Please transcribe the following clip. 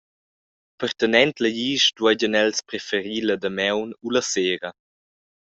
Partenent la glisch dueigien els preferir la damaun u la sera.